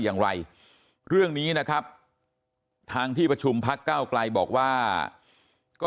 อย่างไรเรื่องนี้นะครับทางที่ประชุมพักเก้าไกลบอกว่าก็